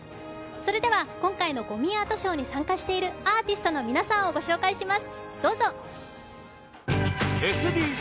それでは、今回のごみアートショーに参加しているアーティストの皆さんをご紹介します。